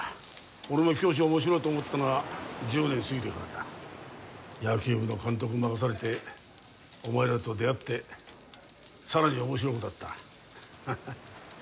俺も教師面白いと思ったのは１０年すぎてからだ野球部の監督任されてお前らと出会ってさらに面白くなったハハッ